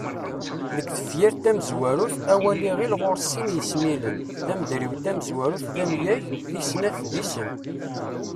Deg tefyirt tamezwarut, awal iɣil ɣur-s sin yismilen: Timeḍriwt tamezwarut d amyag, tis snat d isem.